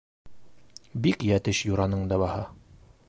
Бик йәтеш юраның да баһа.